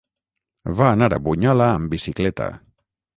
Va anar a Bunyola amb bicicleta.